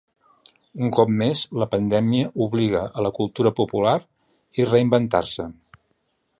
Un cop més, la pandèmia obliga a la cultura popular i reinventar-se.